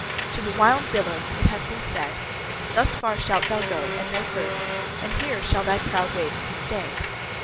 To the wild billows it has been said, "thus far shalt thou go, and no further; and here shall thy proud waves be stayed."